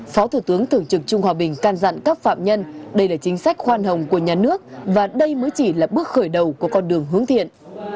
phó thủ tướng thường trực trung hòa bình can dặn các phạm nhân đây là chính sách khoan hồng của nhà nước và đây mới chỉ là bước khởi đầu của con đường hướng thiện